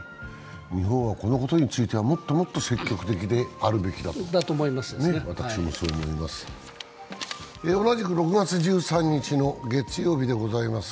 日本はこのことについてはもっともっと積極的であるべきだと思います。